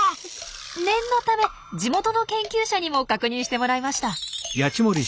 念のため地元の研究者にも確認してもらいました。